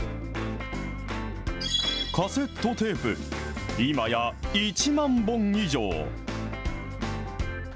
カセットテープ、今や１万本以上。